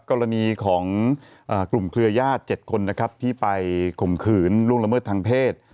กรณีของกลุ่มเครือญาติ๗คนนะครับที่ไปข่มขืนล่วงละเมิดทางเพศ